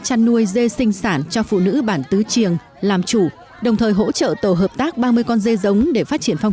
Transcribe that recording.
chăn nuôi dê sinh sản cho phụ nữ bản tứ triềng làm chủ đồng thời hỗ trợ tổ hợp tác ba mươi con dê giống